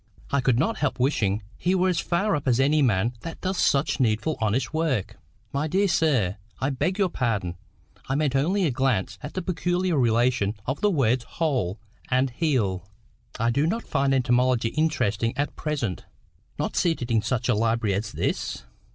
I could not help wishing he were as far up as any man that does such needful honest work. "My dear sir, I beg your pardon. I meant only a glance at the peculiar relation of the words WHOLE and HEAL." "I do not find etymology interesting at present." "Not seated in such a library as this?"